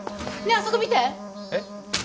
あそこ見てえっ？